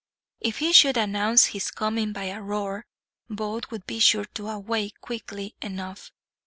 If he should announce his coming by a roar, both would be sure to awake, quickly enough.